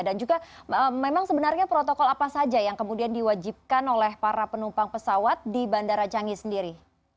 dan juga memang sebenarnya protokol apa saja yang kemudian diwajibkan oleh para penumpang pesawat di bandara canggih sendiri